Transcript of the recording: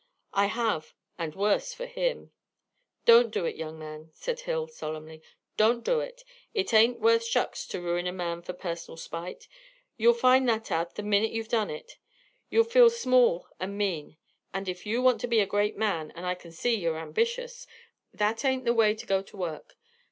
"I have, and worse for him." "Don't do it, young man," said Hill, solemnly. "Don't do it. It ain't worth shucks to ruin a man fur personal spite. You'll find that out the minute you've done it. You'll feel small and mean; and if you want to be a great man and I kin see you're ambitious that ain't the way to go to work.